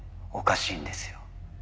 おかしいんですよ。